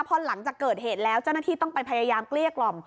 พอหลังจากเกิดเหตุแล้วเจ้าหน้าที่ต้องไปพยายามเกลี้ยกล่อม